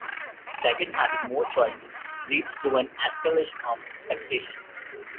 Second, having more choices leads to an escalation of expectation.